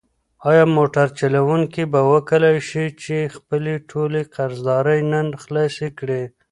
ایا موټر چلونکی به وکولی شي چې خپلې ټولې قرضدارۍ نن خلاصې کړي؟